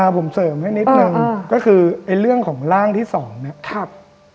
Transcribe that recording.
ผมเสริมให้นิดนึงก็คือไอ้เรื่องของร่างที่สองเนี่ย